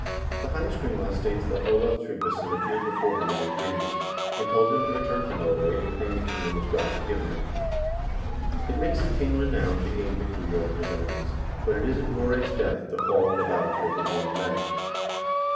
The " Heims kringla" states that Olav Tryggvason appeared before him in his dreams, and told him to return to Norway and claim the kingdom which God had given him. "It make I king renowned to gain victory over his enemies, but it is a glorious death to fall on the battlefield with one's men."